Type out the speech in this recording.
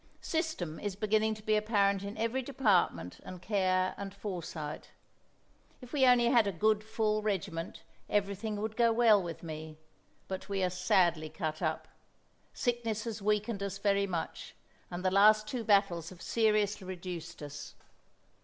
System is beginning to be apparent in every department, and care and foresight. If we only had a good, full regiment everything would go well with me, but we are sadly cut up. Sickness has weakened us very much, and the two last battles have seriously reduced us.